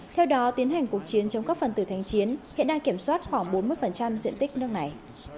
theo đó tiến hành cuộc chiến chống các phần tử thành chiến hiện đang kiểm soát khoảng bốn mươi diện tích nước này